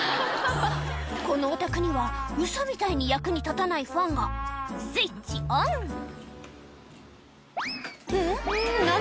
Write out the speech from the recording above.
このお宅にはウソみたいに役に立たないファンがスイッチオンん？